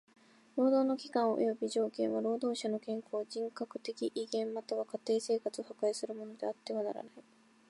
労働の期間および条件は労働者の健康、人格的威厳または家庭生活を破壊するものであってはならない。